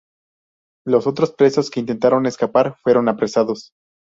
Los otros presos que intentaron escapar fueron apresados.